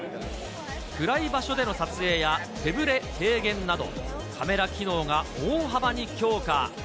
暗い場所での撮影や手ぶれ軽減など、カメラ機能が大幅に強化。